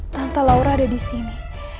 tangka laura ada di sini